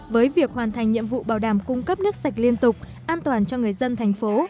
với việc hoàn thành nhiệm vụ bảo đảm cung cấp nước sạch liên tục an toàn cho người dân thành phố